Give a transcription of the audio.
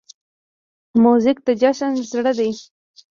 موزیک د جشن زړه دی.